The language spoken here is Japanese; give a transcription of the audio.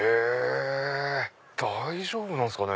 大丈夫なんすかね？